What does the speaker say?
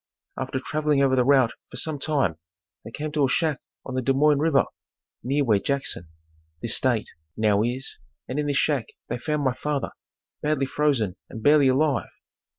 After traveling over the route for some time they came to a shack on the Des Moines river, near where Jackson, this state, now is and in this shack they found my father, badly frozen and barely alive.